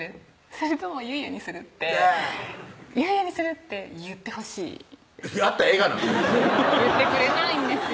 「それとも結衣にする？」って「結衣にする」って言ってほしいやったらええがな言ってくれないんですよ